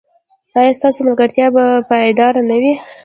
ایا ستاسو ملګرتیا به پایداره نه وي؟